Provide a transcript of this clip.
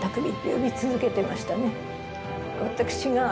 呼び続けてましたね。